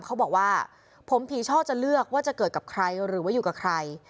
เขาบอกว่าผมผีช่อจะเลือกว่าจะเกิดกับใครหรือว่าอยู่กับใคร